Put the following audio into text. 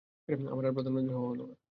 আমার আর প্রধানমন্ত্রী হওয়া হলো না।